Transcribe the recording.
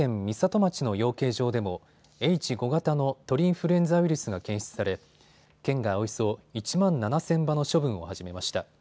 町の養鶏場でもＨ５型の鳥インフルエンザウイルスが検出され県がおよそ１万７０００羽の処分を始めました。